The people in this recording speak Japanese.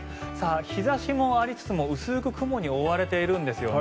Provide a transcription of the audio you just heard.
日差しもありつつも薄く雲に覆われているんですよね。